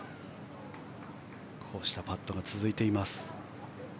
こうしたパットが続いています。